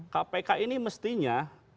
kpk ini mestinya